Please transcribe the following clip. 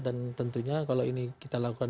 dan tentunya kalau ini kita lakukan